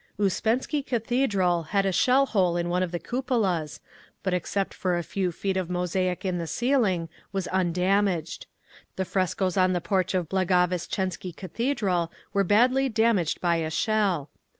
Usspensky Cathedral had a shell hole in one of the cupolas, but except for a few feet of mosaic in the ceiling, was undamaged. The frescoes on the porch of Blagovestchensky Cathedral were badly damaged by a shell.